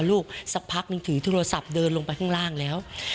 สักพักนึงถือโทรศัพท์เดินลงไปข้างล่างแล้ว